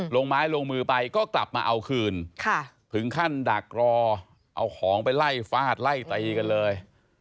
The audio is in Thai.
ลงไม้ลงมือไปก็กลับมาเอาคืนถึงขั้นดักรอเอาของไปไล่ฟาดไล่ตีกันเลย